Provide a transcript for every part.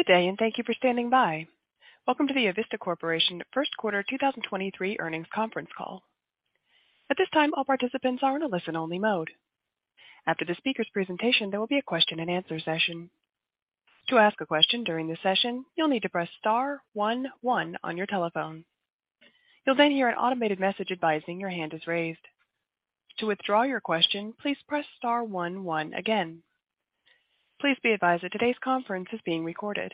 Good day, and thank you for standing by. Welcome to the Avista Corporation first quarter 2023 earnings conference call. At this time, all participants are in a listen-only mode. After the speaker's presentation, there will be a Q&A session. To ask a question during the session, you'll need to press star 1 1 on your telephone. You'll then hear an automated message advising your hand is raised. To withdraw your question, please press star 1 1 again. Please be advised that today's conference is being recorded.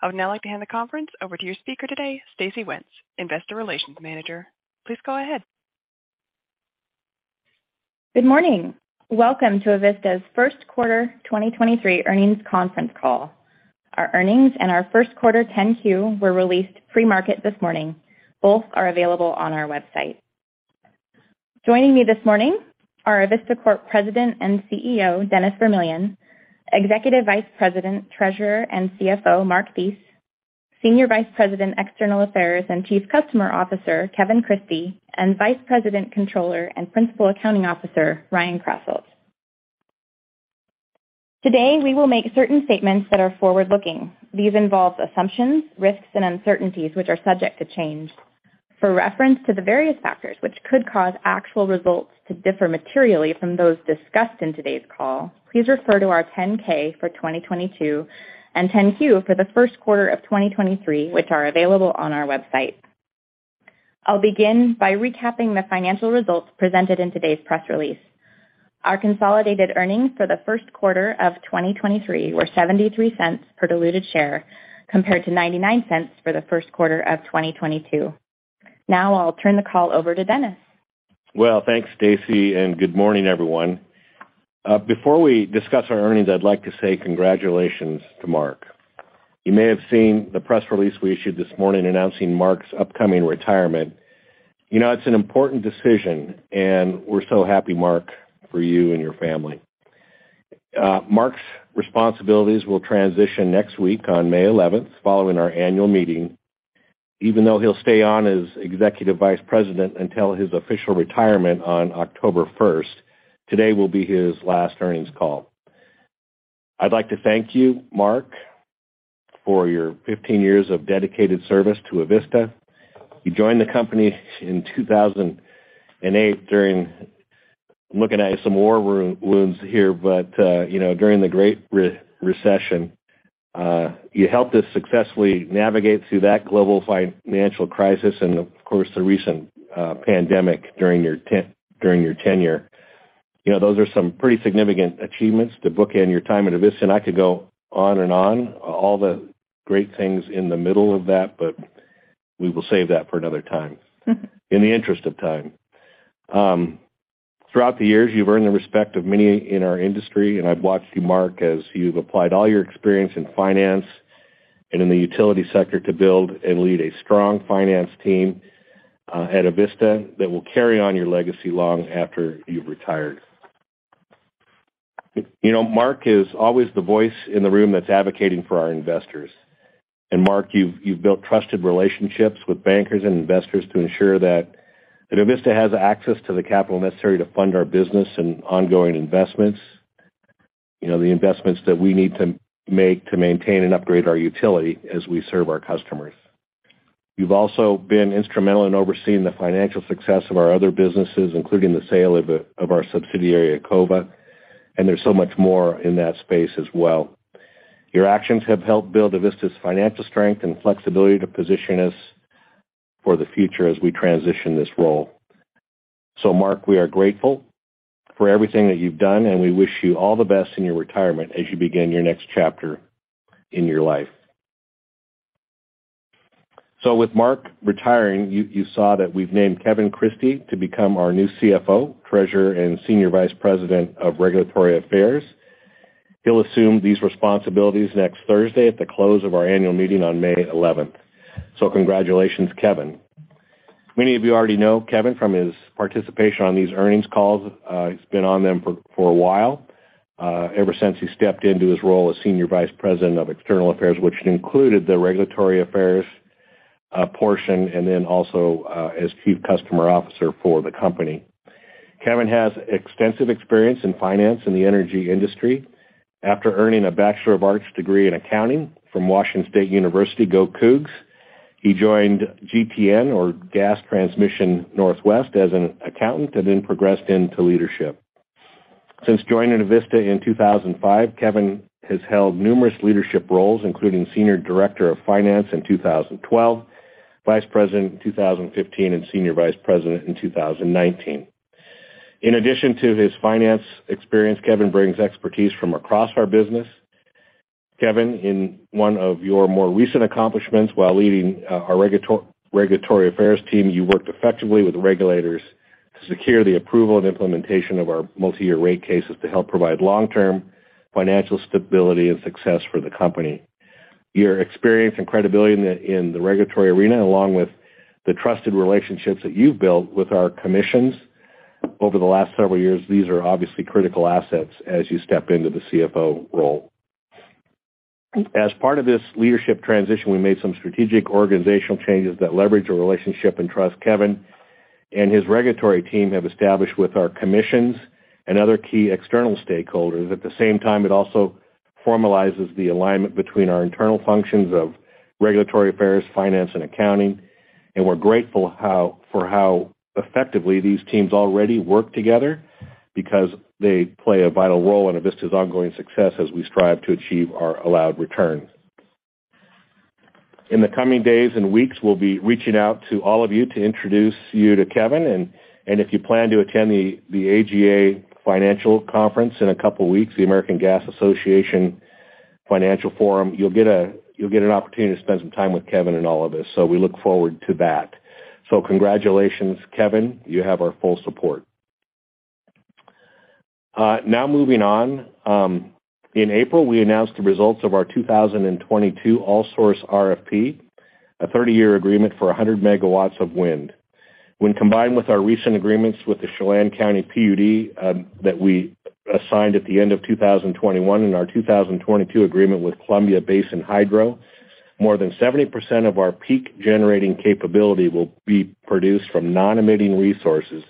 I would now like to hand the conference over to your speaker today, Stacey Wenz, Investor Relations Manager. Please go ahead. Good morning. Welcome to Avista's first quarter 2023 earnings conference call. Our earnings and our first quarter 10-Q were released pre-market this morning. Both are available on our website. Joining me this morning are Avista Corp. President and CEO, Dennis Vermillion; Executive Vice President, Treasurer, and CFO, Mark Thies; Senior Vice President, External Affairs, and Chief Customer Officer, Kevin Christie; and Vice President, Controller, and Principal Accounting Officer, Ryan Krasselt. Today, we will make certain statements that are forward-looking. These involve assumptions, risks, and uncertainties, which are subject to change. For reference to the various factors which could cause actual results to differ materially from those discussed in today's call, please refer to our 10-K for 2022 and 10-Q for the first quarter of 2023, which are available on our website. I'll begin by recapping the financial results presented in today's press release. Our consolidated earnings for the first quarter of 2023 were $0.73 per diluted share, compared to $0.99 for the first quarter of 2022. I'll turn the call over to Dennis. Well, thanks, Stacey, good morning, everyone. Before we discuss our earnings, I'd like to say congratulations to Mark. You may have seen the press release we issued this morning announcing Mark's upcoming retirement. You know, it's an important decision, we're so happy, Mark, for you and your family. Mark's responsibilities will transition next week on May 11, following our annual meeting. Even though he'll stay on as Executive Vice President until his official retirement on October 1, today will be his last earnings call. I'd like to thank you, Mark, for your 15 years of dedicated service to Avista. You joined the company in 2008 I'm looking at some war wounds here, but, you know, during the Great Recession. You helped us successfully navigate through that global financial crisis and of course, the recent pandemic during your tenure. You know, those are some pretty significant achievements to bookend your time at Avista, and I could go on and on, all the great things in the middle of that, but we will save that for another time. In the interest of time. Throughout the years, you've earned the respect of many in our industry, and I've watched you, Mark, as you've applied all your experience in finance and in the utility sector to build and lead a strong finance team at Avista that will carry on your legacy long after you've retired. Mark is always the voice in the room that's advocating for our investors. Mark, you've built trusted relationships with bankers and investors to ensure that Avista has access to the capital necessary to fund our business and ongoing investments. The investments that we need to make to maintain and upgrade our utility as we serve our customers. You've also been instrumental in overseeing the financial success of our other businesses, including the sale of our subsidiary, Ecova, and there's so much more in that space as well. Your actions have helped build Avista's financial strength and flexibility to position us for the future as we transition this role. Mark, we are grateful for everything that you've done, and we wish you all the best in your retirement as you begin your next chapter in your life. Mark Thies retiring, you saw that we've named Kevin Christie to become our new CFO, Treasurer, and Senior Vice President of Regulatory Affairs. He'll assume these responsibilities next Thursday at the close of our annual meeting on May 11th. Congratulations, Kevin Christie. Many of you already know Kevin Christie from his participation on these earnings calls. He's been on them for a while, ever since he stepped into his role as Senior Vice President of External Affairs, which included the Regulatory Affairs portion and then also as Chief Customer Officer for the company. Kevin Christie has extensive experience in finance in the energy industry. After earning a Bachelor of Arts degree in accounting from Washington State University, go Cougs, he joined GTN, or Gas Transmission Northwest, as an accountant and then progressed into leadership. Since joining Avista in 2005, Kevin has held numerous leadership roles, including senior director of finance in 2012, vice president in 2015, and senior vice president in 2019. In addition to his finance experience, Kevin brings expertise from across our business. Kevin, in one of your more recent accomplishments while leading our regulatory affairs team, you worked effectively with regulators to secure the approval and implementation of our multi-year rate cases to help provide long-term financial stability and success for the company. Your experience and credibility in the regulatory arena, along with the trusted relationships that you've built with our commissions over the last several years, these are obviously critical assets as you step into the CFO role. As part of this leadership transition, we made some strategic organizational changes that leverage the relationship and trust Kevin and his regulatory team have established with our commissions and other key external stakeholders. At the same time, it also formalizes the alignment between our internal functions of regulatory affairs, finance and accounting. We're grateful for how effectively these teams already work together because they play a vital role in Avista's ongoing success as we strive to achieve our allowed return. In the coming days and weeks, we'll be reaching out to all of you to introduce you to Kevin. If you plan to attend the AGA Financial Forum in 2 weeks, the American Gas Association Financial Forum, you'll get an opportunity to spend some time with Kevin and all of us. We look forward to that. Congratulations, Kevin. You have our full support. Now moving on. In April, we announced the results of our 2022 All Source RFP, a 30-year agreement for 100 megawatts of wind. When combined with our recent agreements with the Chelan County PUD, that we assigned at the end of 2021 and our 2022 agreement with Columbia Basin Hydro, more than 70% of our peak generating capability will be produced from non-emitting resources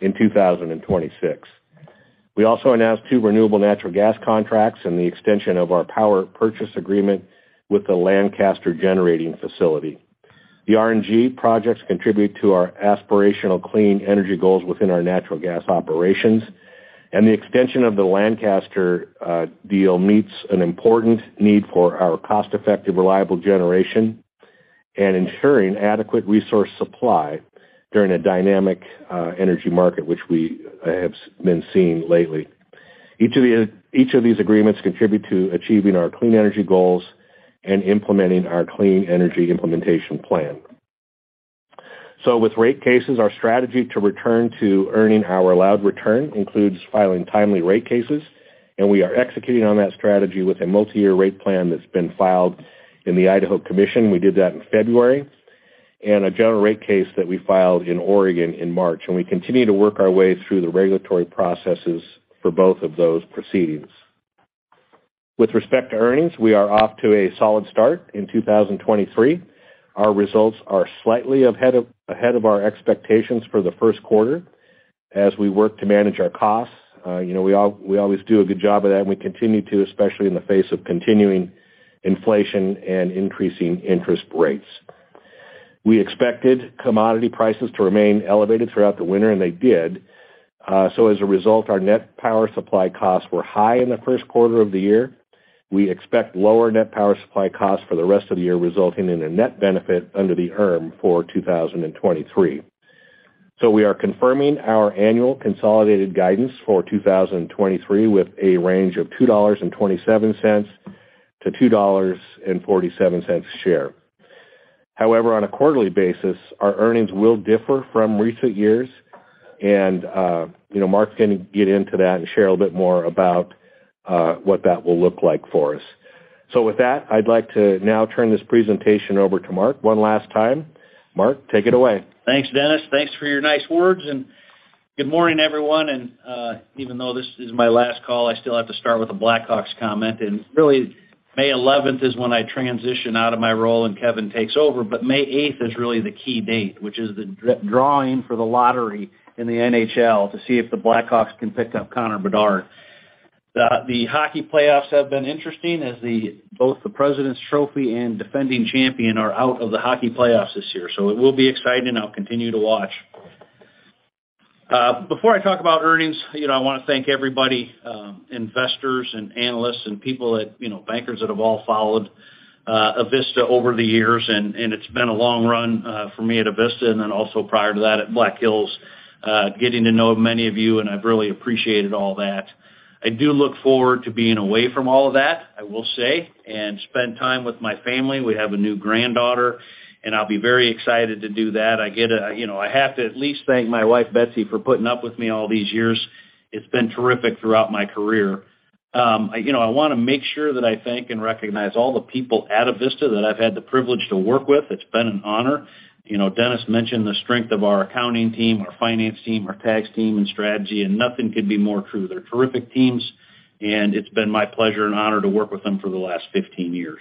in 2026. We also announced 2 renewable natural gas contracts and the extension of our power purchase agreement with the Lancaster Generating Facility. The RNG projects contribute to our aspirational clean energy goals within our natural gas operations, and the extension of the Lancaster deal meets an important need for our cost-effective, reliable generation and ensuring adequate resource supply during a dynamic energy market, which we have been seeing lately. Each of these agreements contribute to achieving our clean energy goals and implementing our Clean Energy Implementation Plan. With rate cases, our strategy to return to earning our allowed return includes filing timely rate cases, and we are executing on that strategy with a multi-year rate plan that's been filed in the Idaho Commission, we did that in February, and a general rate case that we filed in Oregon in March. We continue to work our way through the regulatory processes for both of those proceedings. With respect to earnings, we are off to a solid start in 2023. Our results are slightly ahead of our expectations for the first quarter as we work to manage our costs. you know, we always do a good job of that, and we continue to, especially in the face of continuing inflation and increasing interest rates. We expected commodity prices to remain elevated throughout the winter, and they did. As a result, our net power supply costs were high in the first quarter of the year. We expect lower net power supply costs for the rest of the year, resulting in a net benefit under the ERM for 2023. We are confirming our annual consolidated guidance for 2023 with a range of $2.27 to $2.47 a share. However, on a quarterly basis, our earnings will differ from recent years and, you know, Mark's gonna get into that and share a bit more about what that will look like for us. With that, I'd like to now turn this presentation over to Mark one last time. Mark, take it away. Thanks, Dennis. Thanks for your nice words. Good morning, everyone. Even though this is my last call, I still have to start with a Blackhawks comment. Really, May 11th is when I transition out of my role and Kevin takes over. May 8th is really the key date, which is the drawing for the lottery in the NHL to see if the Blackhawks can pick up Connor Bedard. The hockey playoffs have been interesting as both the Presidents' Trophy and defending champion are out of the hockey playoffs this year. It will be exciting, and I'll continue to watch. Before I talk about earnings. I want to thank everybody, investors and analysts and people that, you know, bankers that have all followed Avista over the years. It's been a long run for me at Avista and then also prior to that at Black Hills, getting to know many of you, and I've really appreciated all that. I do look forward to being away from all of that, I will say, and spend time with my family. We have a new granddaughter, and I'll be very excited to do that. You know, I have to at least thank my wife, Betsy, for putting up with me all these years. It's been terrific throughout my career. I want to make sure that I thank and recognize all the people at Avista that I've had the privilege to work with. It's been an honor. You know, Dennis mentioned the strength of our accounting team, our finance team, our tax team and strategy, and nothing could be more true. They're terrific teams, and it's been my pleasure and honor to work with them for the last 15 years.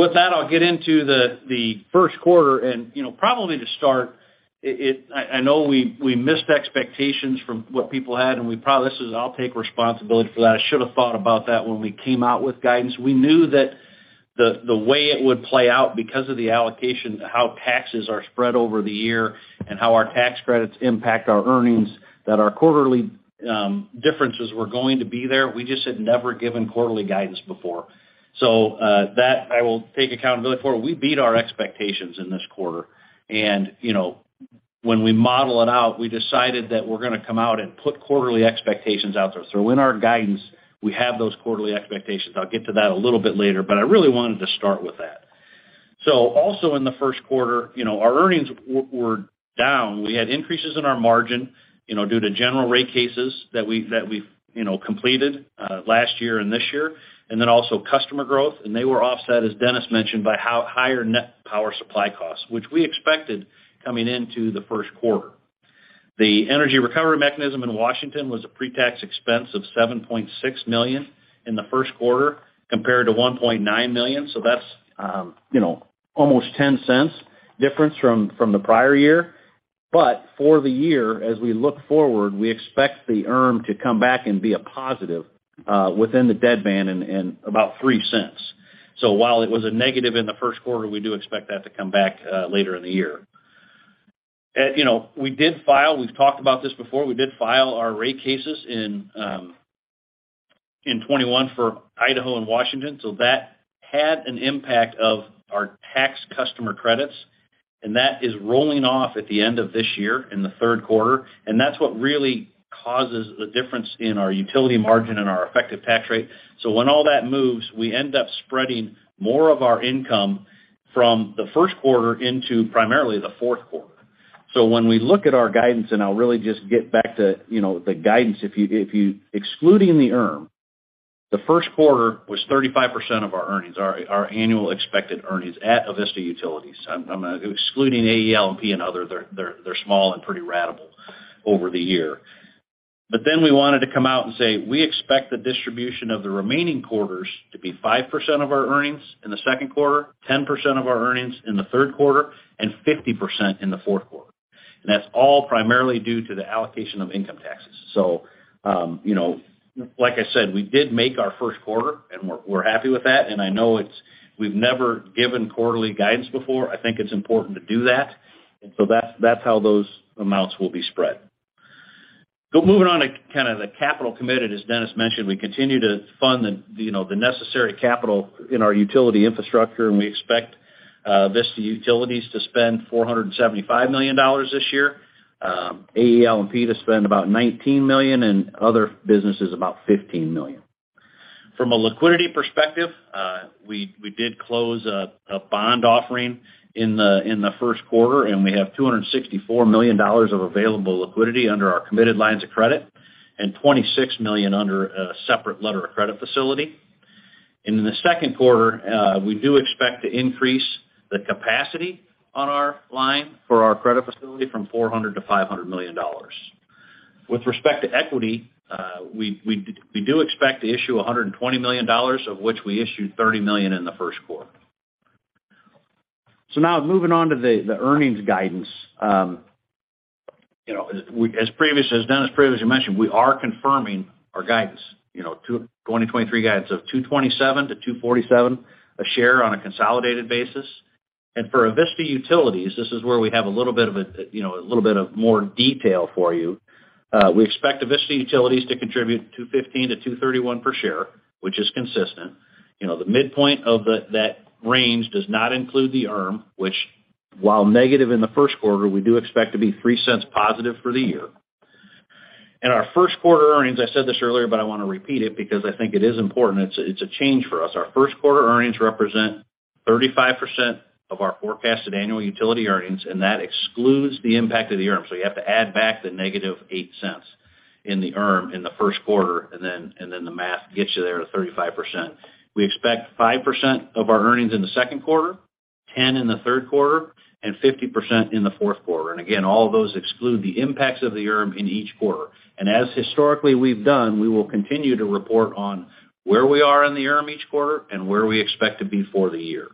With that, I'll get into the first quarter. You know, probably to start, I know we missed expectations from what people had, I'll take responsibility for that. I should have thought about that when we came out with guidance. We knew that the way it would play out because of the allocation, how taxes are spread over the year and how our tax credits impact our earnings, that our quarterly differences were going to be there. We just had never given quarterly guidance before. That I will take accountability for. We beat our expectations in this quarter. When we model it out, we decided that we're gonna come out and put quarterly expectations out there. In our guidance, we have those quarterly expectations. I'll get to that a little bit later, but I really wanted to start with that. Also in the first quarter, you know, our earnings were down. We had increases in our margin, due to general rate cases that we've, you know, completed last year and this year, then also customer growth. They were offset, as Dennis mentioned, by how higher net power supply costs, which we expected coming into the first quarter. The Energy Recovery Mechanism in Washington was a pre-tax expense of $7.6 million in the first quarter compared to $1.9 million. That's, you know, almost $0.10 difference from the prior year. For the year, as we look forward, we expect the ERM to come back and be a positive within the deadband and about $0.03. While it was a negative in the first quarter, we do expect that to come back later in the year. We've talked about this before. We did file our rate cases in 2021 for Idaho and Washington, that had an impact of our tax customer credits. That is rolling off at the end of this year in the third quarter. That's what really causes the difference in our utility margin and our effective tax rate. When all that moves, we end up spreading more of our income from the first quarter into primarily the fourth quarter. When we look at our guidance, and I'll really just get back to, you know, the guidance. Excluding the ERM, the first quarter was 35% of our earnings, our annual expected earnings at Avista Utilities. I'm excluding AEL&P and other. They're small and pretty ratable over the year. We wanted to come out and say, we expect the distribution of the remaining quarters to be 5% of our earnings in the second quarter, 10% of our earnings in the third quarter, and 50% in the fourth quarter. That's all primarily due to the allocation of income taxes. You know, like I said, we did make our first quarter, and we're happy with that. I know we've never given quarterly guidance before. I think it's important to do that. That's, that's how those amounts will be spread. Moving on to kind of the capital committed, as Dennis mentioned, we continue to fund the, you know, the necessary capital in our utility infrastructure, and we expect Avista Utilities to spend $475 million this year, AEL&P to spend about $19 million, and other businesses about $15 million. From a liquidity perspective, we did close a bond offering in the first quarter, and we have $264 million of available liquidity under our committed lines of credit and $26 million under a separate letter of credit facility. In the second quarter, we do expect to increase the capacity on our line for our credit facility from $400 million to $500 million. With respect to equity, we do expect to issue $120 million, of which we issued $30 million in the first quarter. Now moving on to the earnings guidance. You know, as Dennis previously mentioned, we are confirming our guidance, you know, 2023 guidance of $2.27 to $2.47 a share on a consolidated basis. For Avista Utilities, this is where we have a little bit of a, you know, a little bit of more detail for you. We expect Avista Utilities to contribute $2.15 to $2.31 per share, which is consistent. You know, the midpoint of that range does not include the ERM, which, while negative in the first quarter, we do expect to be $0.03 positive for the year. Our first quarter earnings, I said this earlier, but I wanna repeat it because I think it is important. It's a change for us. Our first quarter earnings represent 35% of our forecasted annual utility earnings, and that excludes the impact of the ERM. You have to add back the -$0.08 in the ERM in the first quarter, and then the math gets you there to 35%. We expect 5% of our earnings in the second quarter, 10% in the third quarter, and 50% in the fourth quarter. Again, all of those exclude the impacts of the ERM in each quarter. As historically we've done, we will continue to report on where we are in the ERM each quarter and where we expect to be for the year.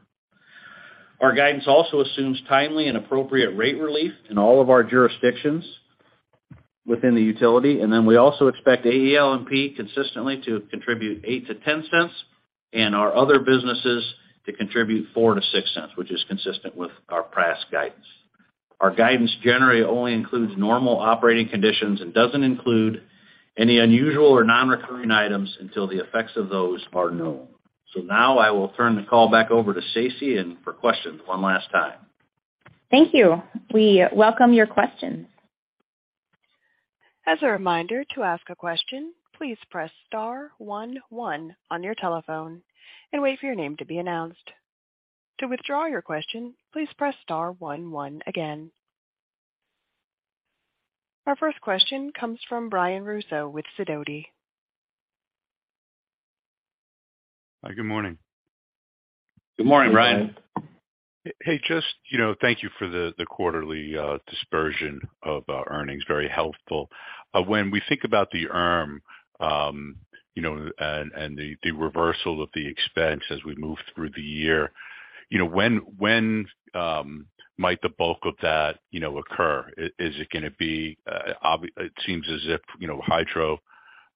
Our guidance also assumes timely and appropriate rate relief in all of our jurisdictions within the utility. We also expect AEL&P consistently to contribute $0.08 to $0.10 and our other businesses to contribute $0.04 to $0.06, which is consistent with our past guidance. Our guidance generally only includes normal operating conditions and doesn't include any unusual or non-recurring items until the effects of those are known. Now I will turn the call back over to Stacey and for questions one last time. Thank you. We welcome your questions. As a reminder to ask a question, please press star 1 1 on your telephone and wait for your name to be announced. To withdraw your question, please press star 1 1 again. Our first question comes from Brian Russo with Sidoti. Hi, good morning. Good morning, Brian. Hey, just, you know, thank you for the quarterly dispersion of our earnings. Very helpful. When we think about the ERM, you know, and the reversal of the expense as we move through the year, you know, when might the bulk of that, you know, occur? Is it gonna be It seems as if, you know, hydro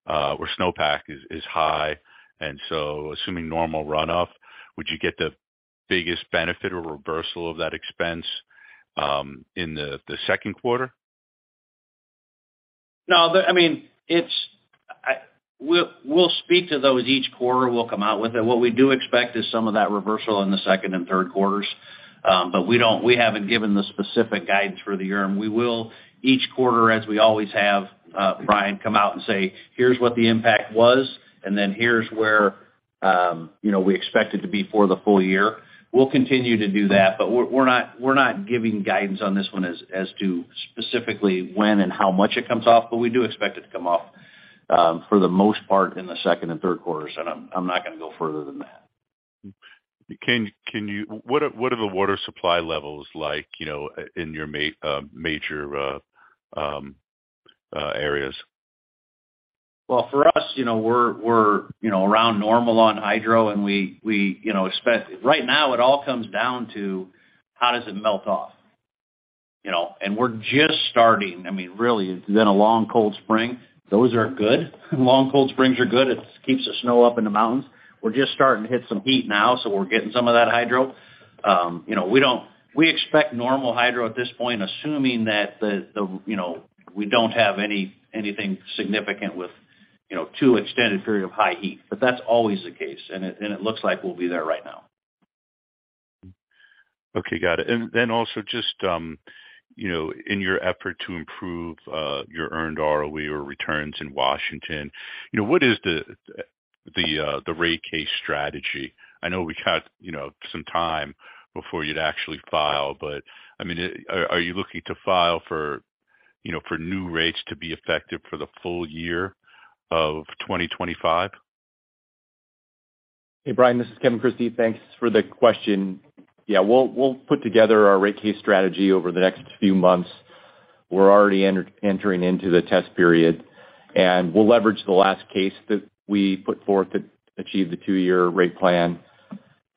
or snowpack is high, and so assuming normal runoff, would you get the biggest benefit or reversal of that expense in the second quarter? I mean, we'll speak to those each quarter. We'll come out with it. What we do expect is some of that reversal in the second and third quarters. We haven't given the specific guidance for the ERM. We will each quarter, as we always have, Brian, come out and say, "Here's what the impact was, and then here's where, you know, we expect it to be for the full year." We'll continue to do that, but we're not giving guidance on this one as to specifically when and how much it comes off, but we do expect it to come off for the most part in the second and third quarters. I'm not gonna go further than that. Can you what are the water supply levels like, you know, in your major areas? Well, for us, you know, we're, you know, around normal on hydro and we, you know, Right now it all comes down to how does it melt off, you know? We're just starting. I mean, really, it's been a long, cold spring. Those are good. Long, cold springs are good. It keeps the snow up in the mountains. We're just starting to hit some heat now, so we're getting some of that hydro. You know, We expect normal hydro at this point, assuming that the, you know, we don't have anything significant with, you know, 2 extended period of high heat. That's always the case, and it looks like we'll be there right now. Okay, got it. Also just, you know, in your effort to improve, your earned ROE or returns in Washington, you know, what is the rate case strategy? I know we got, you know, some time before you'd actually file, but, I mean, are you looking to file for, you know, for new rates to be effective for the full year of 2025? Hey, Brian, this is Kevin Christie. Thanks for the question. Yeah, we'll put together our rate case strategy over the next few months. We're already entering into the test period, and we'll leverage the last case that we put forth to achieve the 2-year rate plan.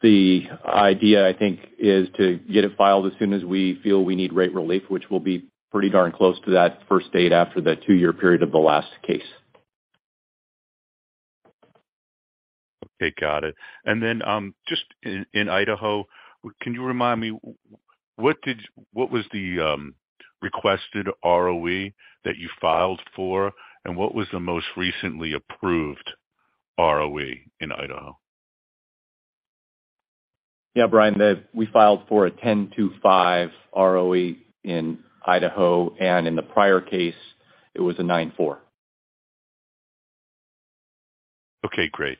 The idea, I think, is to get it filed as soon as we feel we need rate relief, which will be pretty darn close to that first date after the 2-year period of the last case. Okay, got it. Just in Idaho, can you remind me what was the requested ROE that you filed for, and what was the most recently approved ROE in Idaho? Brian, we filed for a 10.5% ROE in Idaho. In the prior case it was a 9.4%. Okay, great.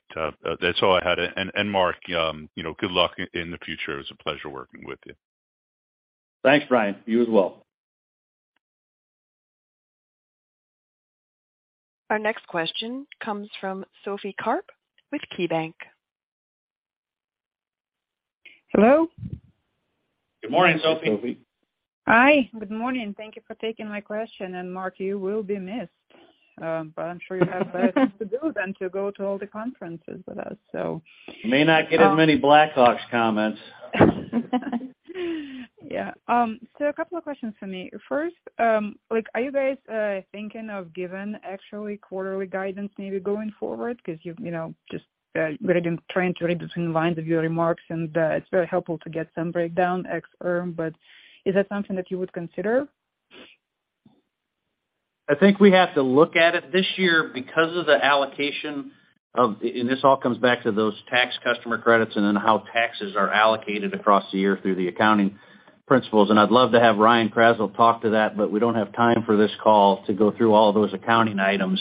that's all I had. Mark, you know, good luck in the future. It was a pleasure working with you. Thanks, Brian. You as well. Our next question comes from Sophie Karp with KeyBanc. Hello? Good morning, Sophie. Good morning, Sophie. Hi, good morning. Thank you for taking my question. Mark, you will be missed. I'm sure you have better things to do than to go to all the conferences with us. You may not get as many Blackhawks comments. A couple of questions for me. First, like, are you guys thinking of giving actually quarterly guidance maybe going forward? You've, you know, just trying to read between the lines of your remarks, and it's very helpful to get some breakdown ex ERM, but is that something that you would consider? I think we have to look at it this year because of the allocation of the. This all comes back to those tax customer credits and then how taxes are allocated across the year through the accounting principles. I'd love to have Ryan Krasselt talk to that, but we don't have time for this call to go through all those accounting items.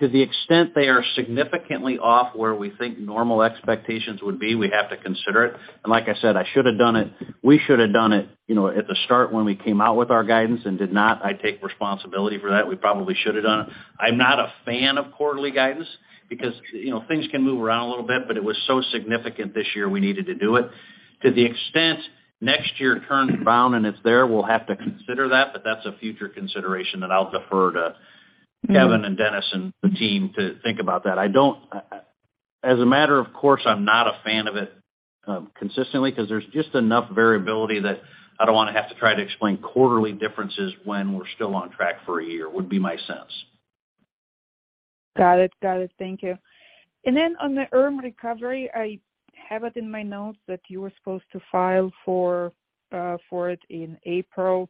To the extent they are significantly off where we think normal expectations would be, we have to consider it. Like I said, I should have done it. We should have done it, you know, at the start when we came out with our guidance and did not. I take responsibility for that. We probably should have done it. I'm not a fan of quarterly guidance because, you know, things can move around a little bit. It was so significant this year we needed to do it. To the extent next year turns around and it's there, we'll have to consider that. That's a future consideration that I'll defer to Kevin and Dennis and the team to think about that. As a matter of course, I'm not a fan of it, consistently because there's just enough variability that I don't want to have to try to explain quarterly differences when we're still on track for a year, would be my sense. Got it. Got it. Thank you. On the ERM recovery, I have it in my notes that you were supposed to file for it in April.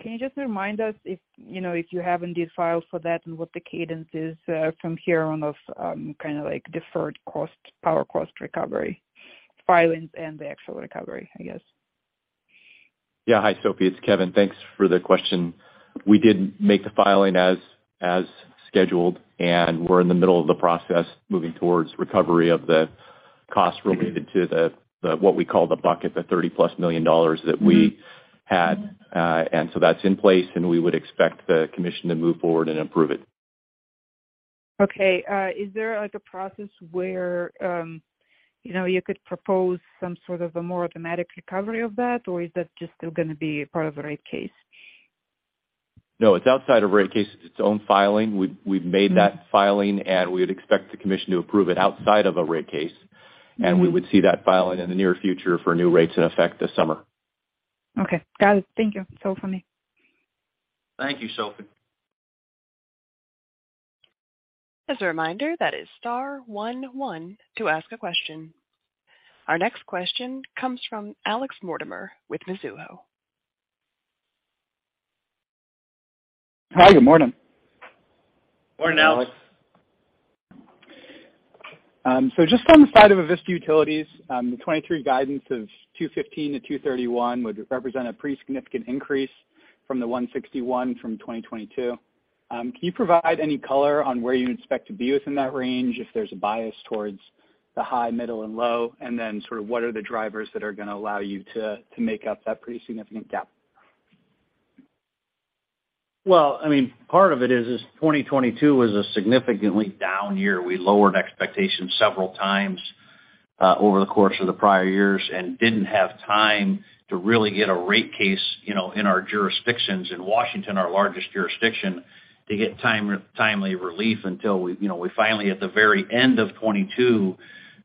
Can you just remind us if, you know, if you haven't did file for that and what the cadence is from here on of kind of like deferred cost, power cost recovery filings and the actual recovery, I guess? Hi, Sophie, it's Kevin. Thanks for the question. We did make the filing as scheduled, and we're in the middle of the process moving towards recovery of the costs related to the, what we call the bucket, the $30+ million that we had. That's in place, and we would expect the commission to move forward and approve it. Is there like a process where, you know, you could propose some sort of a more automatic recovery of that, or is that just still gonna be part of a general rate case? No, it's outside of rate case. It's its own filing. We've made that filing, and we would expect the commission to approve it outside of a rate case, and we would see that filing in the near future for new rates in effect this summer. Okay. Got it. Thank you. That's all for me. Thank you, Sophie. As a reminder, that is star one one to ask a question. Our next question comes from Anthony Crowdell with Mizuho. Hi, good morning. Morning, Anthony. Just on the side of Avista Utilities, the 2023 guidance of $2.15-$2.31 would represent a pretty significant increase from the $1.61 from 2022. Can you provide any caller on where you expect to be within that range, if there's a bias towards the high, middle, and low? Then sort of what are the drivers that are gonna allow you to make up that pretty significant gap? Well, I mean, part of it is 2022 was a significantly down year. We lowered expectations several times over the course of the prior years and didn't have time to really get a rate case, you know, in our jurisdictions. In Washington, our largest jurisdiction, to get timely relief until we, you know, we finally at the very end of 2022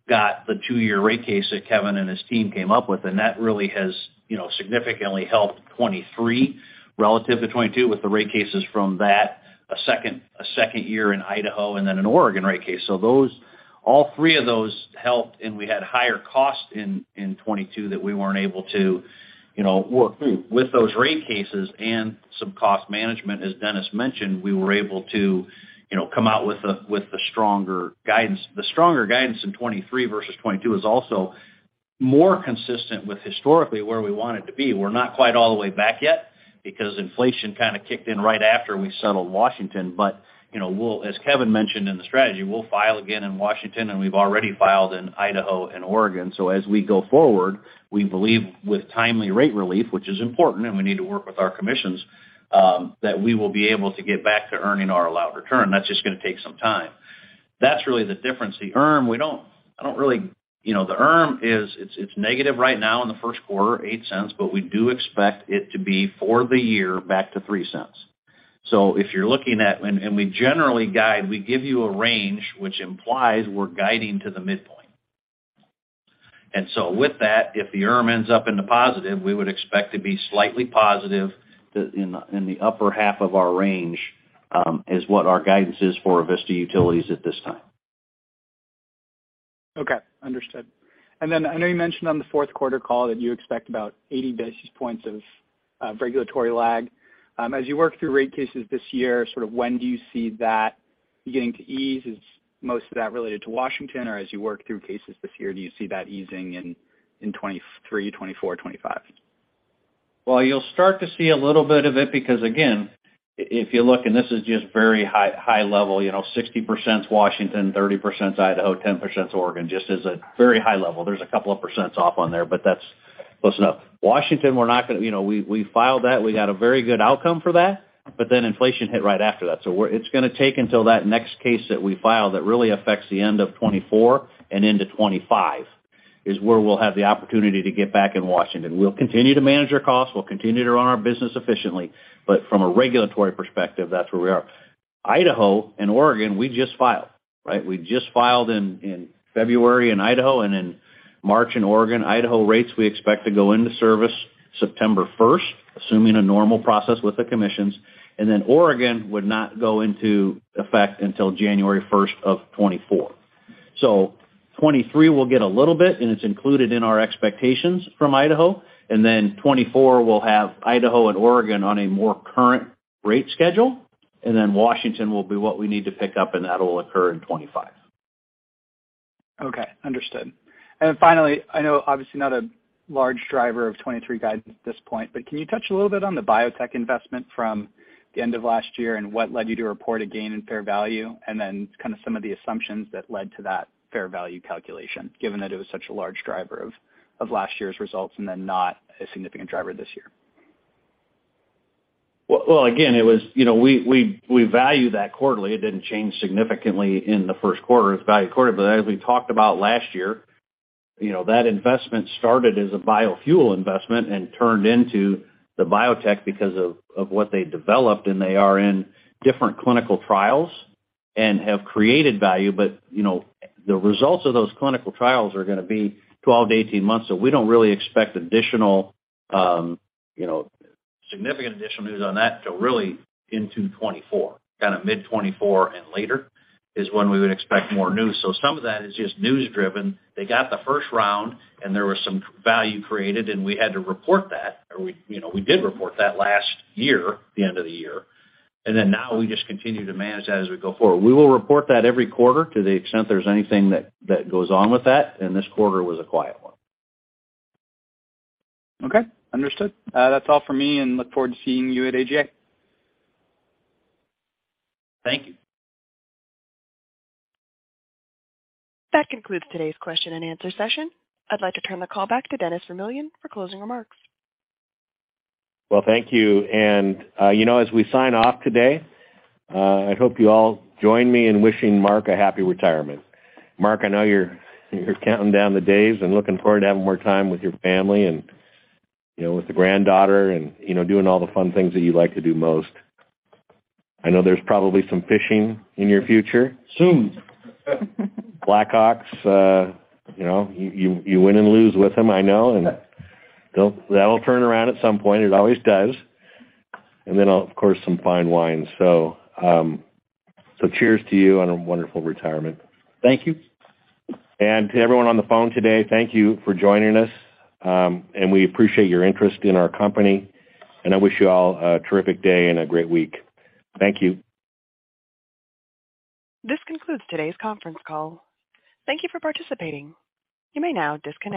got the 2-year rate case that Kevin and his team came up with. That really has, you know, significantly helped 2023 relative to 2022 with the rate cases from that. A second year in Idaho and then an Oregon rate case. Those all three of those helped, and we had higher costs in 2022 that we weren't able to, you know, work through. With those rate cases and some cost management, as Dennis mentioned, we were able to, you know, come out with the stronger guidance. The stronger guidance in 23 versus 22 is also more consistent with historically where we want it to be. We're not quite all the way back yet because inflation kind of kicked in right after we settled Washington. You know, as Kevin mentioned in the strategy, we'll file again in Washington, and we've already filed in Idaho and Oregon. As we go forward, we believe with timely rate relief, which is important, and we need to work with our commissions, that we will be able to get back to earning our allowed return. That's just gonna take some time. That's really the difference. The ERM is, it's negative right now in the first quarter, $0.08, but we do expect it to be for the year back to $0.03. If you're looking at, we generally guide, we give you a range which implies we're guiding to the midpoint. With that, if the ERM ends up in the positive, we would expect to be slightly positive. In the upper half of our range is what our guidance is for Avista Utilities at this time. Okay. Understood. I know you mentioned on the fourth quarter call that you expect about 80 basis points of regulatory lag. As you work through rate cases this year, sort of when do you see that beginning to ease? Is most of that related to Washington, or as you work through cases this year, do you see that easing in 2023, 2024, 2025? You'll start to see a little bit of it because again, if you look and this is just very high, high level, you know, 60% Washington, 30% Idaho, 10% Oregon, just as a very high level. There's a couple of percents off on there, but that's close enough. Washington, we're not you know, we filed that, we got a very good outcome for that. Inflation hit right after that. It's gonna take until that next case that we file that really affects the end of 2024 and into 2025, is where we'll have the opportunity to get back in Washington. We'll continue to manage our costs, we'll continue to run our business efficiently. From a regulatory perspective, that's where we are. Idaho and Oregon, we just filed, right? We just filed in February in Idaho and in March in Oregon. Idaho rates we expect to go into service September 1st, assuming a normal process with the commissions. Oregon would not go into effect until January 1st of 2024. 2023 will get a little bit, and it's included in our expectations from Idaho. 2024 we'll have Idaho and Oregon on a more current rate schedule. Washington will be what we need to pick up, and that will occur in 2025. Okay. Understood. Finally, I know obviously not a large driver of 2023 guidance at this point, but can you touch a little bit on the biotech investment from the end of last year and what led you to report a gain in fair value? Kind of some of the assumptions that led to that fair value calculation, given that it was such a large driver of last year's results and then not a significant driver this year. Well, again, you know, we value that quarterly. It didn't change significantly in the first quarter. It's valued quarterly. As we talked about last year, you know, that investment started as a biofuel investment and turned into the biotech because of what they developed, and they are in different clinical trials and have created value. You know, the results of those clinical trials are gonna be 12 to 18 months. We don't really expect additional, you know, significant additional news on that till really into 2024, kind of mid-2024 and later is when we would expect more news. Some of that is just news-driven. They got the first round, and there was some value created, and we had to report that. We did report that last year, the end of the year. Now we just continue to manage that as we go forward. We will report that every quarter to the extent there's anything that goes on with that, and this quarter was a quiet one. Okay. Understood. That's all for me. Look forward to seeing you at AGA. Thank you. That concludes today's question and answer session. I'd like to turn the call back to Dennis Vermillion for closing remarks. Well, thank you. You know, as we sign off today, I hope you all join me in wishing Mark a happy retirement. Mark, I know you're counting down the days and looking forward to having more time with your family and, you know, with the granddaughter and, you know, doing all the fun things that you like to do most. I know there's probably some fishing in your future. Soon. Blackhawks, you know, you win and lose with them, I know. That'll turn around at some point. It always does. Then, of course, some fine wine. Cheers to you on a wonderful retirement. Thank you. To everyone on the phone today, thank you for joining us. We appreciate your interest in our company, and I wish you all a terrific day and a great week. Thank you. This concludes today's conference call. Thank you for participating. You may now disconnect.